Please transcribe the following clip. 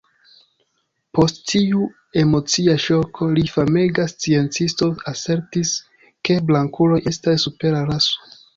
Post tiu emocia ŝoko li famega sciencisto asertis, ke blankuloj estas supera raso.